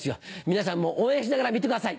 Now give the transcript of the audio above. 皆さんも応援しながら見てください。